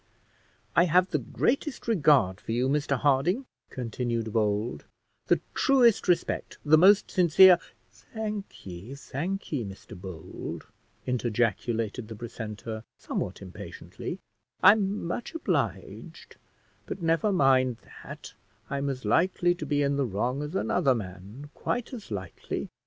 "I have the greatest regard for you, Mr Harding," continued Bold; "the truest respect, the most sincere " "Thank ye, thank ye, Mr Bold," interjaculated the precentor somewhat impatiently; "I'm much obliged, but never mind that; I'm as likely to be in the wrong as another man, quite as likely."